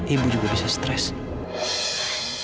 ibu juga bisa stress